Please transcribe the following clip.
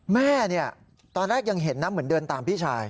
แม่ตอนแรกยังเห็นนะเหมือนเดินตามพี่ชาย